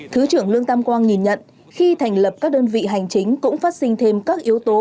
thứ trưởng lương tam quang nhìn nhận khi thành lập các đơn vị hành chính cũng phát sinh thêm các yếu tố